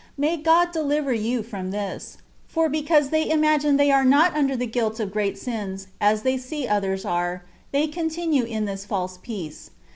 May God deUver you from this ; for, because they imagine they are not under the guilt of great sins, as they see others are, they continue in tUs false peace.